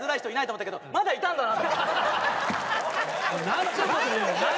・何ちゅうこと言うんだ。